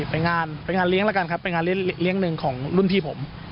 ไปงานไปงานเลี้ยงแล้วกันครับเป็นงานเลี้ยงหนึ่งของรุ่นพี่ผม